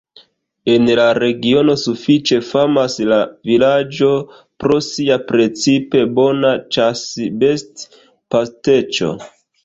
En la regiono sufiĉe famas la vilaĝo pro sia precipe bona ĉasbest-pasteĉo.